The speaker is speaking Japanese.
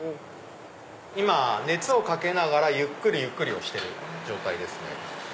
今熱をかけながらゆっくり押してる状態ですね。